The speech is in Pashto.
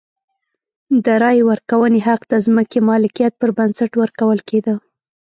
د رایې ورکونې حق د ځمکې مالکیت پر بنسټ ورکول کېده.